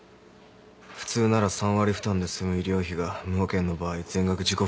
普通なら３割負担で済む医療費が無保険の場合全額自己負担になる。